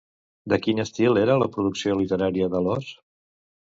De quin estil era la producció literària d'Alós?